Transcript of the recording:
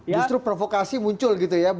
justru provokasi muncul gitu ya